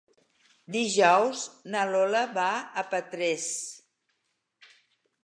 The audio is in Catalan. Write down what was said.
Dijous na Lola va a Petrés.